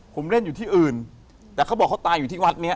ผมเล่นอยู่ที่อื่นแต่เขาบอกเขาตายอยู่ที่วัดเนี้ย